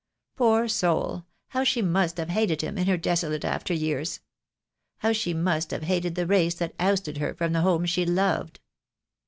Poor soul, how she must have hated him, in her desolate after years. How she must have hated the race that ousted her from the home she loved."